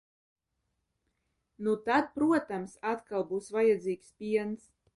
Nu tad, protams, atkal būs vajadzīgs piens.